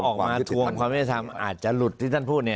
ก็ถ้าออกมาทวงความให้ทำอาจจะหลุดที่ท่านพูดเลย